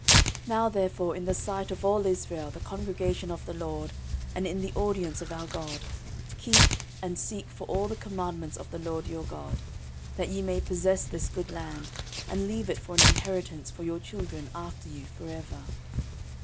13:028:008 Now therefore in the sight of all Israel the congregation of the LORD, and in the audience of our God, keep and seek for all the commandments of the LORD your God: that ye may possess this good land, and leave it for an inheritance for your children after you for ever.